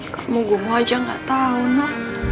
kamu gua mau aja gak tau no